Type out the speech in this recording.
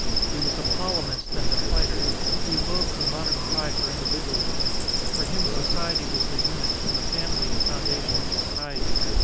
He was a polemist and a fighter. He loathed the modern cry for individualism. For him society was the unit, and the family the foun dation of society.